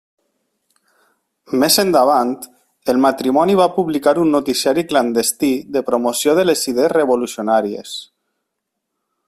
Més endavant, el matrimoni va publicar un noticiari clandestí de promoció de les idees revolucionàries.